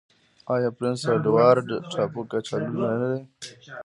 آیا پرنس اډوارډ ټاپو کچالو نلري؟